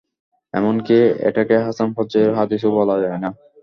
এমনকি এটাকে হাসান পর্যায়ের হাদীসও বলা যায় না।